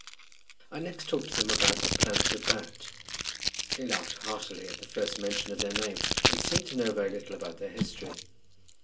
I next talked to them about the Plant de Bat. They laughed heartily at the first mention of their name, but seemed to know very little about their history.